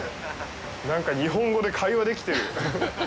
なんか日本語で会話できてる。